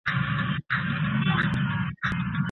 د ناروغانو حقونه څه دي؟